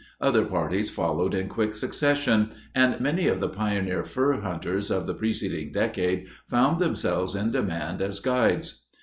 Other parties followed in quick succession, and many of the pioneer fur hunters of the preceding decade found themselves in demand as guides.